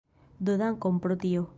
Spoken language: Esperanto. Do dankon pro tio